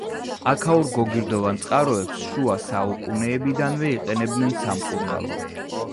აქაურ გოგირდოვან წყაროებს შუა საუკუნეებიდანვე იყენებდნენ სამკურნალოდ.